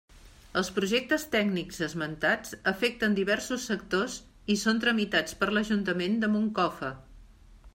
Els projectes tècnics esmentats afecten diversos sectors i són tramitats per l'Ajuntament de Moncofa.